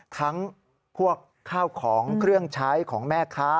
ทั้งพวกข้าวของเครื่องใช้ของแม่ค้า